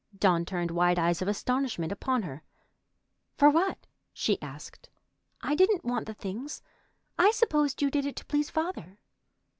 Dawn turned wide eyes of astonishment upon her. "For what?" she asked. "I didn't want the things. I supposed you did it to please father."